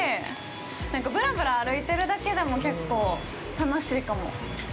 なんか、ブラブラ歩いてるだけでも結構、楽しいかも。